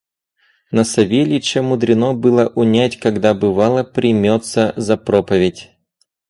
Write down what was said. Но Савельича мудрено было унять, когда, бывало, примется за проповедь.